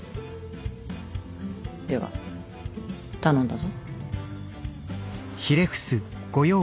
では頼んだぞ。